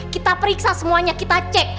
kita periksa semuanya kita cek